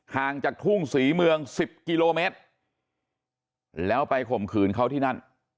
ห่างจากทุ่งศรีเมือง๑๐กิโลเมตรแล้วไปข่มขืนเขาที่นั่น